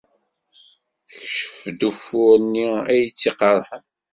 Tekcef-d ufur-nni ay tt-iqerḥen.